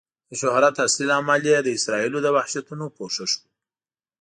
د شهرت اصلي لامل یې د اسرائیلو د وحشتونو پوښښ و.